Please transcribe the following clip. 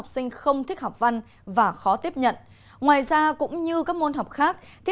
xin chào và hẹn gặp lại